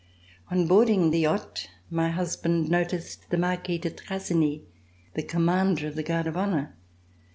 On boarding the yacht, my husband noticed the Marquis de Trazegnies, the Commander of the Guard of Honor.